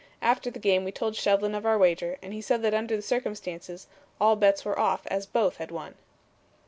After the game we told Shevlin of our wager and he said that under the circumstances all bets were off as both had won."